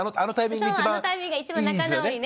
そうあのタイミングが一番仲直りね。